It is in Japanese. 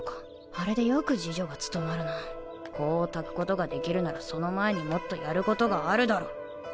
あれでよく侍女が務まるな香をたくことができるならその前にもっとやることがあるだろう。